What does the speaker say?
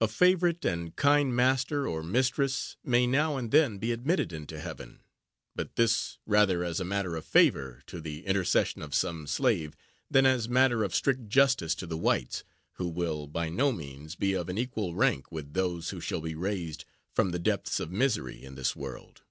A favorite and kind master or mistress, may now and then be admitted into heaven, but this rather as a matter of favor, to the intercession of some slave, than as matter of strict justice to the whites, who will, by no means, be of an equal rank with those who shall be raised from the depths of misery, in this world.